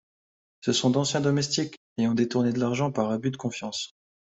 Ce sont d'anciens domestiques ayant détourné de l'argent par abus de confiance.